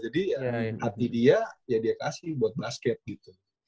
jadi hati dia ya dia kasih buat basket gitu